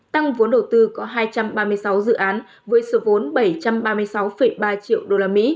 tăng vốn đầu tư có hai trăm ba mươi sáu dự án với số vốn bảy trăm ba mươi sáu ba triệu usd